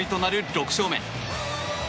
６勝目。